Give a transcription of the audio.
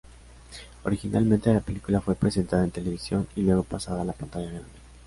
Originalmente la película fue presentada en televisión y luego pasada a la pantalla grande.